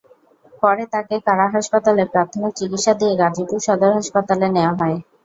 পরে তাঁকে কারা হাসপাতালে প্রাথমিক চিকিৎসা দিয়ে গাজীপুর সদর হাসপাতালে নেওয়া হয়।